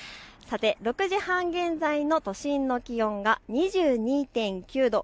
６時半現在の都心の気温は２２．９度。